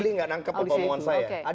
tadi beli gak nangkep pembahaguan saya